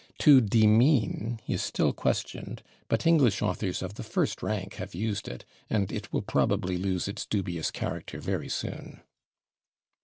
/To demean/ is still questioned, but English authors of the first rank have used it, and it will probably lose its dubious character very soon.